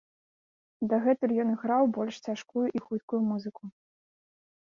Дагэтуль ён граў больш цяжкую і хуткую музыку.